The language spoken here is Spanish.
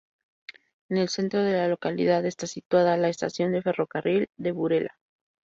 En el centro de la localidad está situada la estación de ferrocarril de Burela.